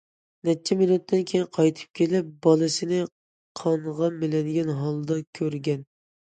نەچچە مىنۇتتىن كېيىن قايتىپ كېلىپ، بالىسىنى قانغا مىلەنگەن ھالدا كۆرگەن.